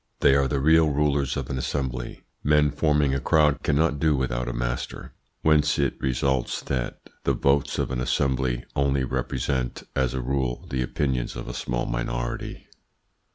They are the real rulers of an assembly. Men forming a crowd cannot do without a master, whence it results that the votes of an assembly only represent, as a rule, the opinions of a small minority.